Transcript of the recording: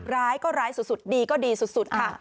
ร้ายก็ร้ายสุดดีก็ดีสุดค่ะ